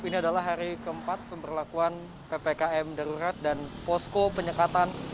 ini adalah hari keempat pemberlakuan ppkm darurat dan posko penyekatan